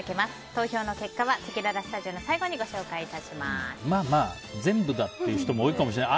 投票の結果はせきららスタジオの最後に全部だっていう人も多いかもしれない。